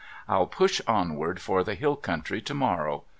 I'll push onward for the hill country to morrow.